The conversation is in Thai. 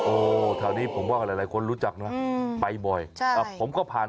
โอ้แถวนี้ผมว่าหลายคนรู้จักนะไปบ่อยผมก็ผ่านบ่อย